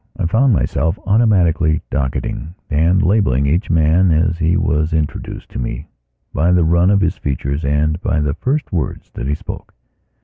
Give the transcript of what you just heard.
I found myself automatically docketing and labelling each man as he was introduced to me, by the run of his features and by the first words that he spoke.